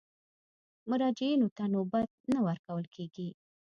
مراجعینو ته نوبت نه ورکول کېږي.